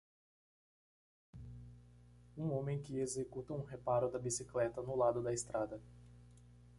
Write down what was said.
Um homem que executa um reparo da bicicleta no lado da estrada.